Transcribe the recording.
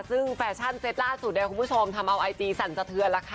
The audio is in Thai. ซึ่งแฟชั่นเต็ตล่าสุดเนี่ยคุณผู้ชมทำเอาไอจีสั่นสะเทือนแล้วค่ะ